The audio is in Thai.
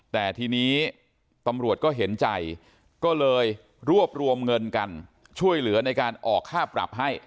แต่ทีนี้ตำรวจก็เห็นใจก็เลยรวบรวมเงินกันช่วยเหลือในการออกค่าปรับให้